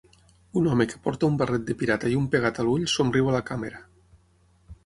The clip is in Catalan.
Un home que porta un barret de pirata i un pegat a l'ull somriu a la càmera.